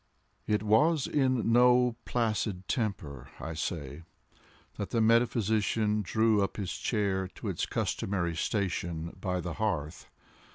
It was in no placid temper, I say, that the metaphysician drew up his chair to its customary station by the hearth.